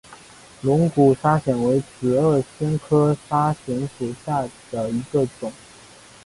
龙骨砂藓为紫萼藓科砂藓属下的一个种。